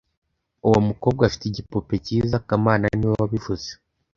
Uwo mukobwa afite igipupe cyiza kamana niwe wabivuze